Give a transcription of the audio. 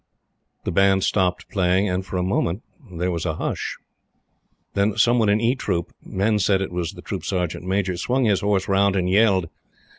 The band stopped playing, and, for a moment, there was a hush. Then some one in E troop men said it was the Troop Sergeant Major swung his horse round and yelled.